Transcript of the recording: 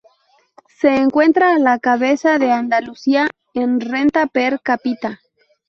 Se encuentra a la cabeza de Andalucía en renta per cápita.